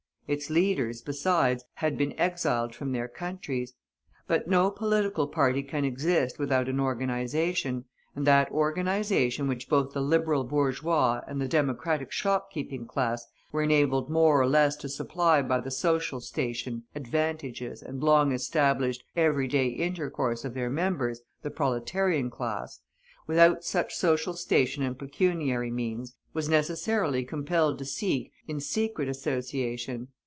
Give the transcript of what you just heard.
Its leaders, besides, had been exiled from their countries. But no political party can exist without an organization; and that organization which both the Liberal bourgeois and the Democratic shopkeeping class were enabled more or less to supply by the social station, advantages, and long established, every day intercourse of their members, the proletarian class, without such social station and pecuniary means, was necessarily compelled to seek in secret association.